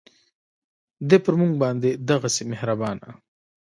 دی پر مونږ باندې دغهسې مهربانه